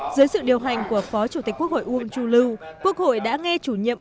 dưới sự điều hành của phó chủ tịch quốc hội uông chu lưu quốc hội đã nghe chủ nhiệm